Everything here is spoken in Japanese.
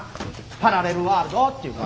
パラレルワールドっていうか。